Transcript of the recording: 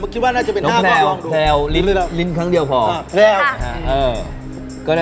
๔คนเปอร์เซ็นต์สูงสุด